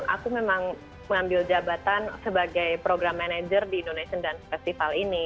aku memang mengambil jabatan sebagai program manager di indonesian dan festival ini